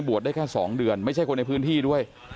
ได้แค่๒เดือนไม่ใช่คนในพื้นที่ด้วย